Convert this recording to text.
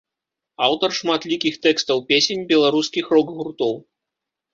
Аўтар шматлікіх тэкстаў песень беларускіх рок-гуртоў.